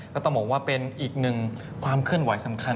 ก็ต้องบอกว่าเป็นอีกหนึ่งความเคลื่อนไหวสำคัญ